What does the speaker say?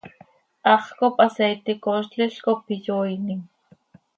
Hax cop hasaaiti coozlil cop iyooinim.